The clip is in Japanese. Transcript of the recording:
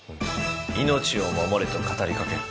命を守れと語り掛ける。